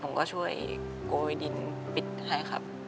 ผมก็ช่วยโกยดินปิดให้ครับ